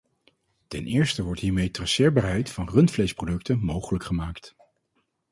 Ten eerste wordt hiermee traceerbaarheid van rundvleesproducten mogelijk gemaakt.